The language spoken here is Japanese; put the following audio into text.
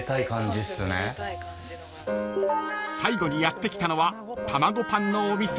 ［最後にやって来たのはたまごパンのお店］